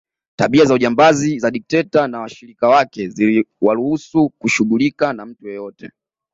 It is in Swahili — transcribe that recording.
Tabia za ujambazi za dikteta na washirika wake ziliwaruhusu kushughulika na mtu yeyote